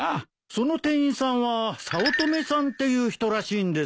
その店員さんは早乙女さんっていう人らしいんです。